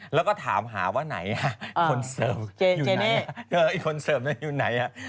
แล้วก็ถามหาว่านี้คนเซิร์ฟอยู่ไหน